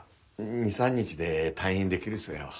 ２３日で退院できるそうやわ。